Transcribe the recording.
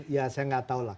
ya saya nggak tahu lah